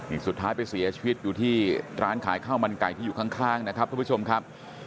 นี่สุดท้ายไปเสียชีวิตอยู่ที่ร้านขายข้าวมันไก่ที่อยู่ข้างนะครับทุกผู้ชมครับ